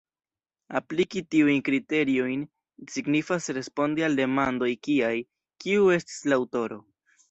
Apliki tiujn kriteriojn signifas respondi al demandoj kiaj: Kiu estis la aŭtoro?